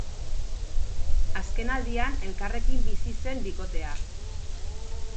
Azkenaldian elkarrekin bizi zen bikotea.